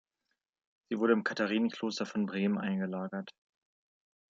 Sie wurde im Katharinenkloster von Bremen eingelagert.